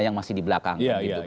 yang masih di belakang